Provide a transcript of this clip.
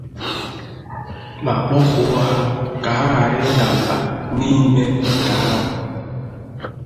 ma kpọkuo ha ka ha ghara ịdà mbà n'ime nke ahụ.